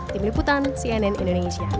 tim liputan cnn indonesia